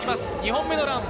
２本目のラン。